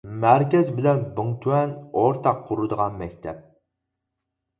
مەركەز بىلەن بىڭتۈەن ئورتاق قۇرىدىغان مەكتەپ.